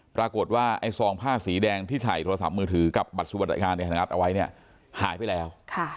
ปรากฏว่าไอ้ซองผ้าสีแดงที่ถ่ายโทรศัพท์มือถือกับบัตรสวัสดิการในฐานะเอาไว้เนี่ยหายไปแล้ว